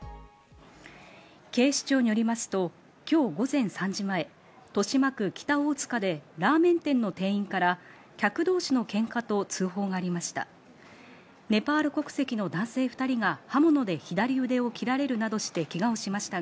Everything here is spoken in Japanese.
警視庁によりますと今日午前３時前、豊島区北大塚でラーメン店の店員から客同士のけんかと通報がありました。